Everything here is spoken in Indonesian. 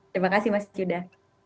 terima kasih mas cuda